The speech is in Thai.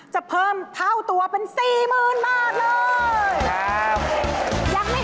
จะเพิ่มเท่าตัวเป็นสี่หมื่นบาทเลย